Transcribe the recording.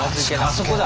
あそこだ！